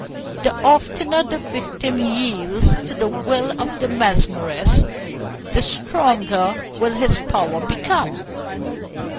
The oftener the victim yields to the will of the mesmerist, the stronger will his power become.